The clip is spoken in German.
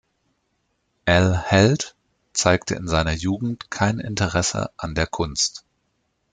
Al Held zeigte in seiner Jugend kein Interesse an der Kunst.